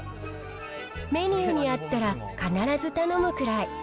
メニューにあったら必ず頼むくらい。